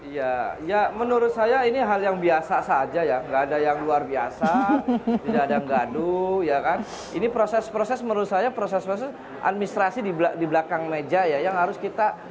ya ya menurut saya ini hal yang biasa saja ya nggak ada yang luar biasa tidak ada yang gaduh ya kan ini proses proses menurut saya proses proses administrasi di belakang meja ya yang harus kita